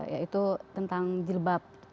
yaitu tentang jilbab